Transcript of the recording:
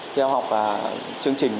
theo học chương trình